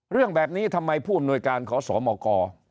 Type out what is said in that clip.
เรื่องแบบนี้ทำไมผู้อำนวยการขอสมก